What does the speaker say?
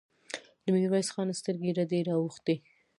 د ميرويس خان سترګې رډې راوختې!